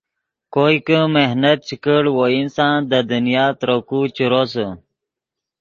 کوئے کہ محنت چے کڑ وہ انسان دے دنیا ترے کو چے روسے